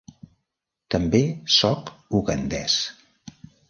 També sóc ugandès.